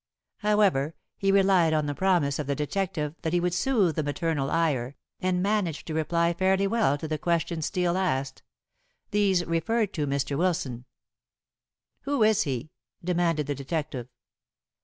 However, he relied on the promise of the detective that he would sooth the maternal ire, and managed to reply fairly well to the questions Steel asked. These referred to Mr. Wilson. "Who is he?" demanded the detective.